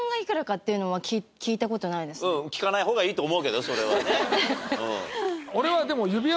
うん聞かない方がいいと思うけどそれはね。